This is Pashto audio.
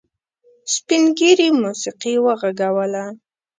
سپین ږيري موسيقي وغږوله.